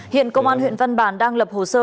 hiện công an huyện văn bàn đang lập hồ sơ